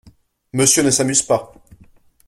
Monsieur ne s’amuse pas !